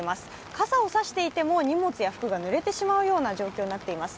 傘を差していても荷物や服がぬれてしまう状況になっています。